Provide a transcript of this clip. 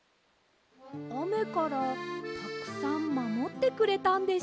あめからたくさんまもってくれたんでしょうか？